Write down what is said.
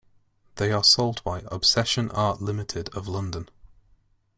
They are sold by ObsessionArt Limited of London.